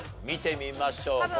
見てみましょう。